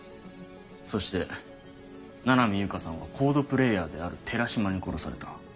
そして七海悠香さんはＣＯＤＥプレーヤーである寺島に殺された。